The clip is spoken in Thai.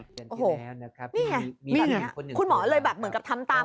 โหนี่ไงคุณหมอเลยแบบเหมือนกับทำตาม